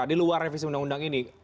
diluar revisi undang undang ini